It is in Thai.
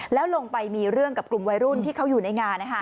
แล้วลงไปมีเรื่องกับกลุ่มวัยรุ่นที่เขาอยู่ในงาน